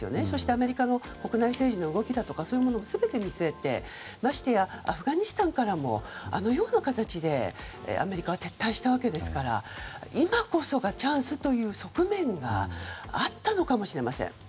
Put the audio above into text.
そして、アメリカの国内政治の動きなどそういうものも全て見据えてましてやアフガニスタンからもあのような形でアメリカは撤退したわけですから今こそがチャンスという側面があったのかもしれません。